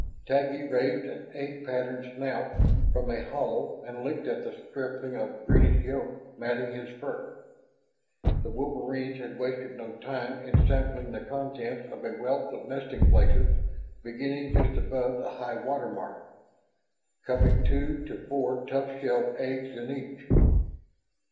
Taggi raised an egg patterned snout from a hollow and licked at the stippling of greenish yolk matting his fur. The wolverines had wasted no time in sampling the contents of a wealth of nesting places beginning just above the high water mark, cupping two to four tough shelled eggs in each.